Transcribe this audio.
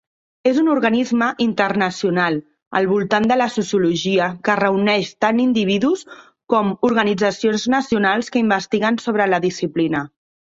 És un organisme internacional al voltant de la Sociologia que reuneix tant individus com organitzacions nacionals que investiguen sobre la disciplina.